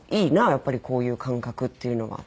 やっぱりこういう感覚っていうのが。